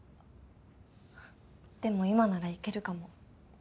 でも今ならいけるかも。